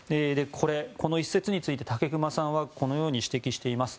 この一節について武隈さんはこのように指摘しています。